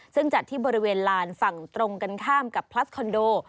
ซึ่งจัดที่บริเวณลานฝั่งตรงกันข้ามกับพลัสคอนโด